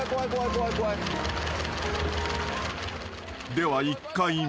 ［では１回目］